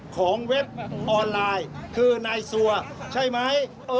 ของเว็บออนไลน์คือในเสั่วใช่ไหม